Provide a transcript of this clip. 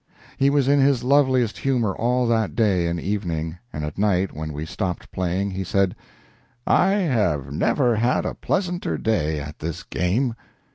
He was in his loveliest humor all that day and evening, and at night when we stopped playing he said: "I have never had a pleasanter day at this game."